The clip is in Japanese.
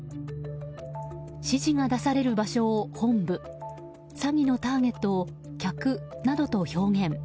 指示が出される場所を本部詐欺のターゲットを客などと表現。